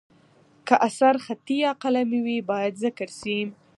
که اثر خطي یا قلمي وي، باید ذکر شي.